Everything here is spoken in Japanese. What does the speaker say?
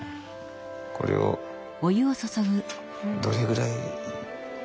これをどれぐらい？